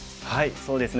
そうですね。